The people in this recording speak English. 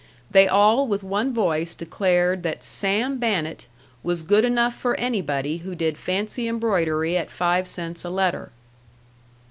They all with one voice declared that Sam Bannett was good enough for anybody who did fancy embroidery at five cents a letter.